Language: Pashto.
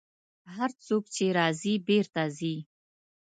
هر څوک چې راځي، بېرته ځي.